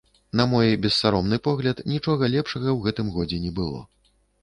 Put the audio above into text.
На мой бессаромны погляд, нічога лепшага ў гэтым годзе не было.